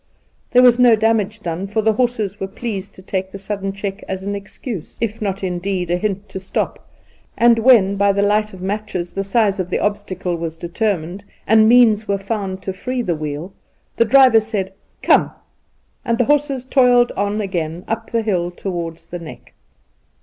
There was no damage done, for the horses were pleased to take the sudden check as an excuse, if not indeed a hint, to stop ; and when by the light of matches the size of the obstacle Was determined, and means were found to free the wheel, the driver said, ' Come !' and the horses toiled on again up the hill towards the Neck.